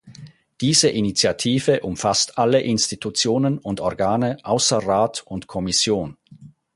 Diese Initiative umfasst alle Institutionen und Organe außer Rat und Kommission.